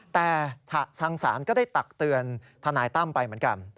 แต่ทางศาลก็ได้ตักเตือนทนายตั้มไปเหมือนกัน